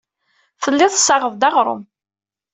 Tellid tessaɣeḍ-d aɣrum.